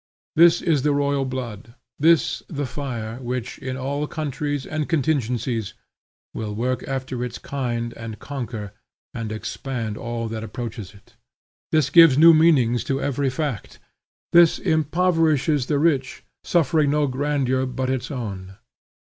This is the royal blood, this the fire, which, in all countries and contingencies, will work after its kind and conquer and expand all that approaches it. This gives new meanings to every fact. This impoverishes the rich, suffering no grandeur but its own.